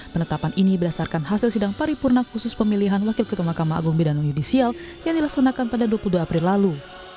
penetapan ini berdasarkan hasil sidang paripurna khusus pemilihan wakil ketua mahkamah agung bidang judisial yang dilaksanakan pada dua puluh dua april lalu